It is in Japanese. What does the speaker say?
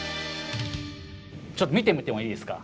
ちょっと見てみてもいいですか？